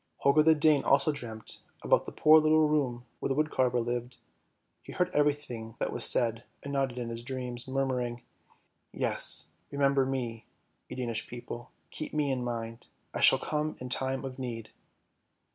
Holger the Dane also dreamt about the poor little room where the woodcarver lived; he heard everything that was said and nodded in his dreams, murmuring, " Yes, remember me, ye Danish people! Keep me in mind, I shall come in time of need."